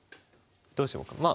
どうしようか。